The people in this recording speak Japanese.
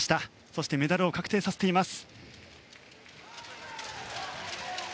そして、メダルを確定させています。